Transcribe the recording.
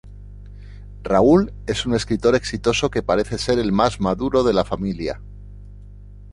Rahul es un escritor exitoso que parece ser el más maduro de la familia.